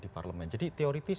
di parlemen jadi teoritis